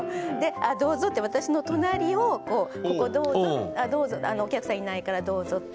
あどうぞって私の隣をこうここどうぞお客さんいないからどうぞって。